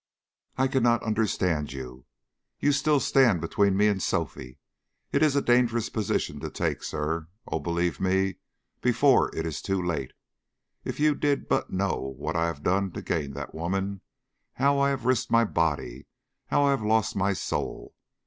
"I cannot understand you. You still stand between me and Sophie. It is a dangerous position to take, sir. Oh, believe me, before it is too late. If you did but know what I have done to gain that woman how I have risked my body, how I have lost my soul!